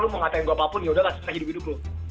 lu mau ngatain gue apapun yaudah lah saya hidup hidup dulu